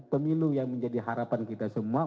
pemilu yang menjadi harapan kita semua